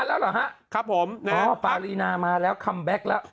แล้วเหรอฮะครับผมอ๋อปารีนามาแล้วคัมแบ็คแล้ว